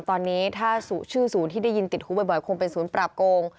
ตอนนี้ถ้าชื่อศูนย์ที่ได้ยินติดหูบ่อยคงเป็นศูนย์ปราบโกง